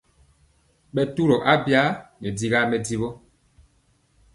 Ɓɛ turɔ abya nɛ dikaa mɛdivɔ.